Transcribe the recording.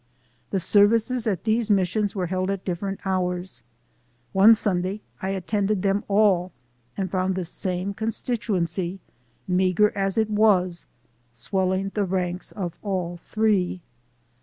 The services at these missions were held at different hours. One Sunday I at tended them all and found the same constituency, meager as it was, swelling the ranks of all three.